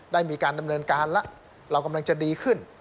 ได้มีการดำเนินการแล้วเรากำลังจะดีขึ้น